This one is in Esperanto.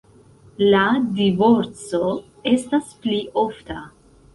La divorco estas pli ofta.